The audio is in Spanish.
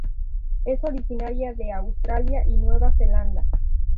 Es originaria de Australia y Nueva Zelanda.